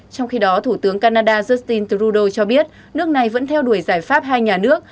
trong khi đó thủ tướng canada justin trudeau cho biết nước này vẫn theo đuổi giải pháp hai nhà nước